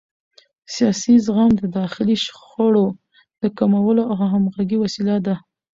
سیاسي زغم د داخلي شخړو د کمولو او همغږۍ وسیله ده